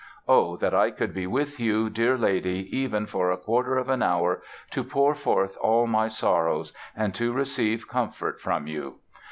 Oh, that I could be with you, dear lady, even for a quarter of an hour, to pour forth all my sorrows, and to receive comfort from you!